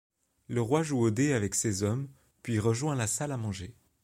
Le roi joue aux dés avec ses hommes, puis rejoint la salle à manger.